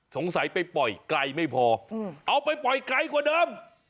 สงสัยไปปล่อยไกลไม่พอเอาไปปล่อยไกลกว่าเดิม